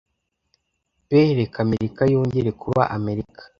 pe reka Amerika yongere kuba Amerika -